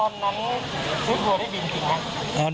ตอนนั้นซื้อตัวได้บินจริงหรือ